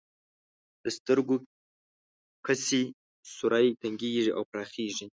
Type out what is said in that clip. د سترګو کسي سوری تنګیږي او پراخیږي.